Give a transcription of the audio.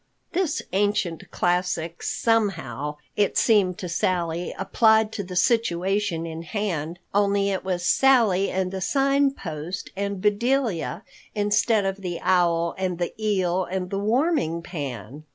This ancient classic somehow, it seemed to Sally, applied to the situation in hand, only it was Sally and the Sign Post and Bedelia instead of the owl and the eel and the warming pan.